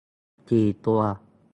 สี่ตัว